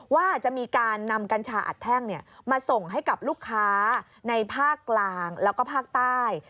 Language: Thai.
ว่าจะมีการนำกัญชาอัดแท่งมาส่งให้กับลูกค้าในภาคกลางแล้วก็ภาคใต้